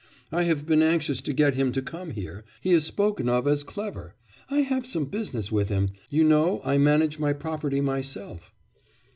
I have been anxious to get him to come here; he is spoken of as clever; I have some business with him.... You know I manage my property myself.